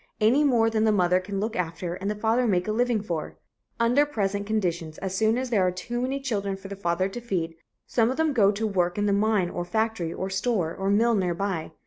... Any more than the mother can look after and the father make a living for ... Under present conditions as soon as there are too many children for the father to feed, some of them go to work in the mine or factory or store or mill near by.